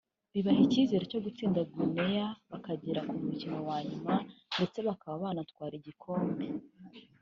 bibaha icyizere cyo gutsinda Guinea bakagera ku mukino wa nyuma ndetse bakaba banatwara igikombe